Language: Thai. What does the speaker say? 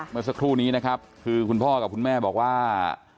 เมื่อสักครู่นี้นะครับคือคุณพ่อกับคุณแม่บอกว่า